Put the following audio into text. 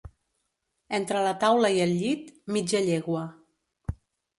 Entre la taula i el llit, mitja llegua.